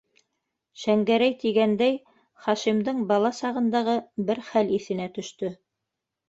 Шәңгәрәй тигәндәй, Хашимдың бала сағындағы бер хәл иҫенә төштө.